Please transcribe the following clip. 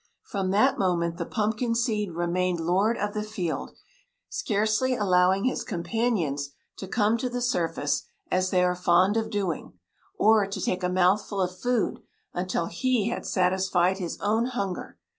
From that moment the "pumpkin seed" remained lord of the field, scarcely allowing his companions to come to the surface, as they are fond of doing, or to take a mouthful of food until he had satisfied his own hunger.